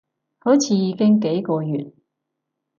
好似已經幾個月